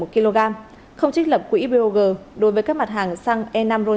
không trích lập quỹ pog đối với các mặt hàng xăng e năm ron chín mươi hai